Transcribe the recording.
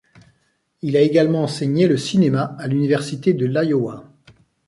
Il a également enseigné le cinéma à l'université de l'Iowa.